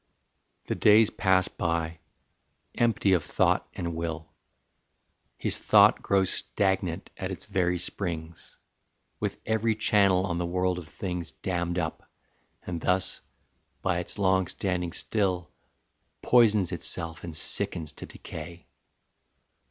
The days pass by, empty of thought and will: His thought grows stagnant at its very springs, With every channel on the world of things Dammed up, and thus, by its long standing still, Poisons itself and sickens to decay.